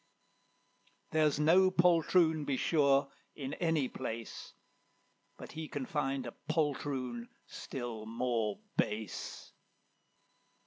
There's no poltroon, be sure, in any place, But he can find a poltroon still more base.